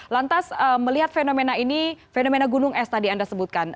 lantas melihat fenomena ini fenomena gunung es tadi anda sebutkan